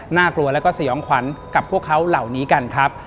น่ากลัวแล้วก็สยองขวัญกับพวกเขาเหล่านี้กันครับ